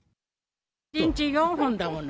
１日４本だもの。